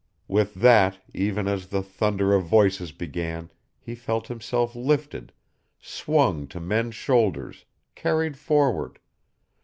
With that, even as the thunder of voices began, he felt himself lifted, swung to men's shoulders, carried forward.